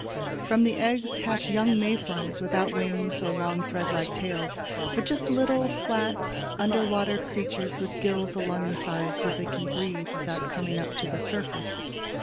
From the eggs hatch young May flies without wings or long thread like tails, but just little, flat, under water creatures with gills along the sides so they can breathe without coming up to the surface.